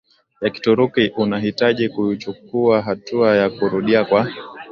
ya Kituruki unahitaji kuchukua hatua ya kurudia kwa